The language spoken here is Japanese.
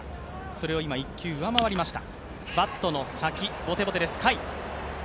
それを今１球、上回りました。